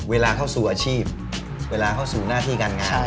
เวลาเข้าสู่อาชีพเวลาเข้าสู่หน้าที่การงาน